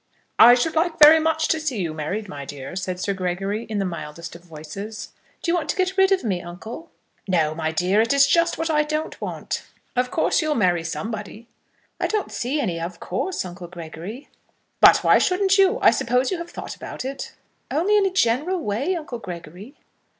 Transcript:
"I should like very much to see you married, my dear," said Sir Gregory, in the mildest of voices. "Do you want to get rid of me, uncle?" "No, my dear; that is just what I don't want. Of course you'll marry somebody." "I don't see any of course, Uncle Gregory." "But why shouldn't you? I suppose you have thought about it." "Only in a general way, Uncle Gregory."